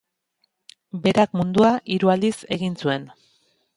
Berak mundua hiru aldiz egin zuen.